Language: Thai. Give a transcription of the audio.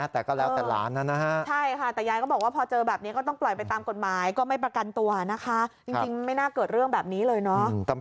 เพราะเวลาย่ายไปจ่ายก็ไปมอบตัวดีกว่าโสดา